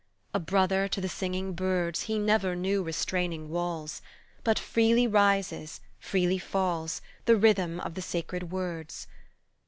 A brother to the singing birds He never knew restraining walls, But freely rises, freely falls The rhythm of the sacred words.